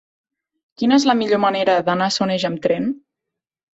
Quina és la millor manera d'anar a Soneja amb tren?